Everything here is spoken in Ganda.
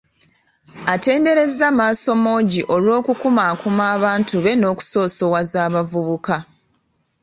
Atenderezza Maasomoogi olw'okukumaakuma abantu be n'okusosowaza abavubuka.